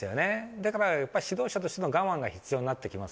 だからやっぱり指導者としての我慢が必要になってきます。